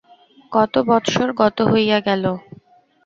কত বৎসর গত হইয়া গেল।